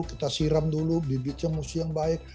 kita siram dulu bibitnya musuh yang baik